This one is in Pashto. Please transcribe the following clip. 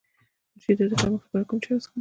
د شیدو د کمښت لپاره کوم چای وڅښم؟